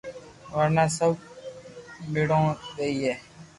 ورنہ سب ميڙون ديئي